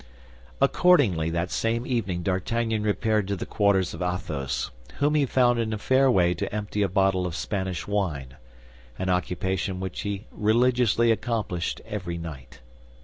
Accordingly, that same evening D'Artagnan repaired to the quarters of Athos, whom he found in a fair way to empty a bottle of Spanish wine—an occupation which he religiously accomplished every night.